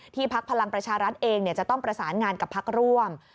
พักพลังประชารัฐเองจะต้องประสานงานกับพักร่วม